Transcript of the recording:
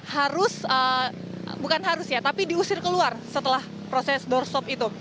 harus bukan harus ya tapi diusir keluar setelah proses doorstop itu